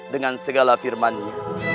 dengan segala firmannya